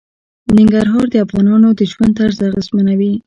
ننګرهار د افغانانو د ژوند طرز اغېزمنوي.